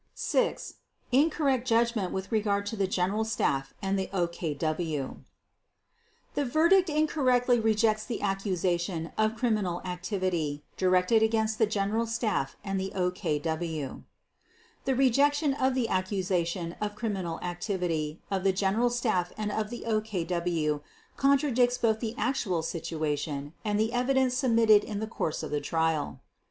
Incorrect Judgment with regard to the General Staff and the OKW The verdict incorrectly rejects the accusation of criminal activity directed against the General Staff and the OKW. The rejection of the accusation of criminal activity of the General Staff and of the OKW contradicts both the actual situation and the evidence submitted in the course of the Trial.